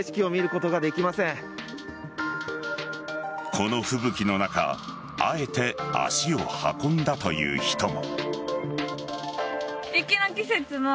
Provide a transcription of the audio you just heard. この吹雪の中あえて足を運んだという人も。